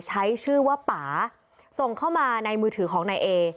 ใช้ชื่อว่าป่าส่งเข้ามาในมือถือของนายเอ